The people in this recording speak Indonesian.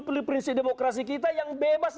pilih prinsip demokrasi kita yang bebas